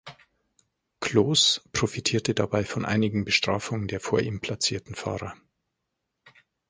Clos profitierte dabei von einigen Bestrafungen der vor ihm platzierten Fahrer.